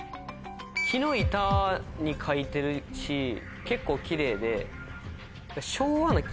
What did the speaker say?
木の板に書いてるし結構キレイで。